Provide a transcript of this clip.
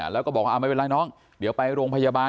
แล้วก็บอกว่าไม่เป็นไรน้องเดี๋ยวไปโรงพยาบาล